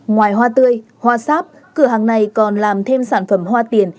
ngoài hoa tươi hoa sáp cửa hàng này còn làm thêm sản phẩm hoa tiền